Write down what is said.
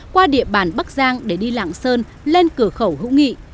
qua địa bàn bắc giang để đi lạng sơn lên cửa khẩu hữu nghị